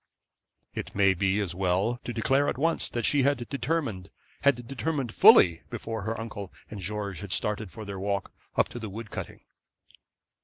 It may be as well to declare at once that she had determined had determined fully, before her uncle and George had started for their walk up to the wood cutting.